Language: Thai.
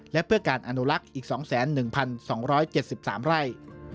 และเพื่อการอนุลักษ์อีก๒๑๒๗๓ไร่